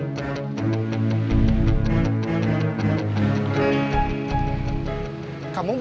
nestean kan damai disini